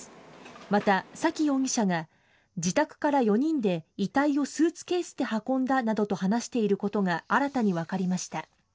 また、沙喜容疑者が自宅から４人で遺体をスーツケースで運んだなどと話していることが新たに分かりました。